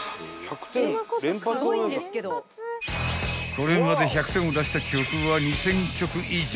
［これまで１００点を出した曲は２，０００曲以上］